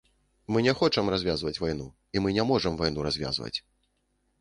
Мы не хочам развязваць вайну, і мы не можам вайну развязваць.